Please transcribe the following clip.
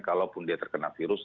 kalaupun dia terkena virus